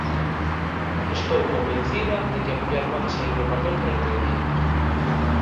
Estou convencida de que a muller pode saír do papel durante o día!